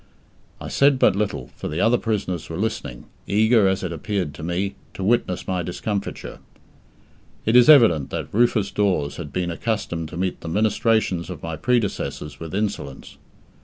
I said but little, for the other prisoners were listening, eager, as it appeared to me, to witness my discomfiture. It is evident that Rufus Dawes had been accustomed to meet the ministrations of my predecessors with insolence.